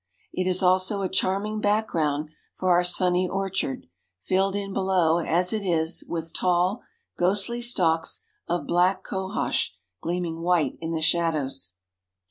It is also a charming background for our sunny orchard, filled in below, as it is, with tall, ghostly stalks of black cohosh gleaming white in the shadows.